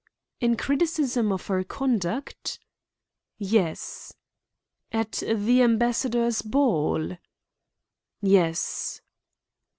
"In criticism of her conduct?" "Yes." "At the ambassador's ball?" "Yes."